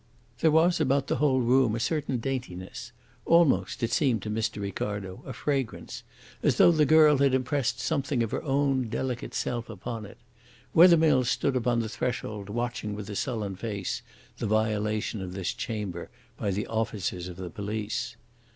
There was about the whole room a certain daintiness, almost, it seemed to Mr. Ricardo, a fragrance, as though the girl had impressed something of her own delicate self upon it. Wethermill stood upon the threshold watching with a sullen face the violation of this chamber by the officers of the police.